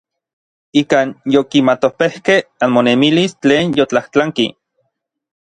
Ikan yonkimatopejkej anmonemilis tlen yotlajtlanki.